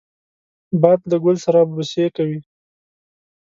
باد له ګل سره بوسې کوي